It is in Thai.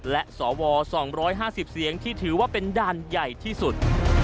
และสว๒๕๐เสียงที่ถือว่าเป็นด่านใหญ่ที่สุด